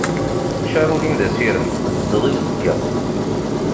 Ččar ul-im d asirem, tbeddeḍ i uzekka.